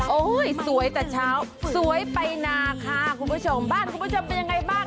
โอ้โหสวยแต่เช้าสวยไปนาค่ะคุณผู้ชมบ้านคุณผู้ชมเป็นยังไงบ้าง